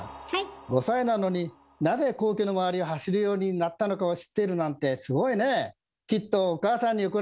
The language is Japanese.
５歳なのになぜ皇居の周りを走るようになったのかを知っているなんてすごいね！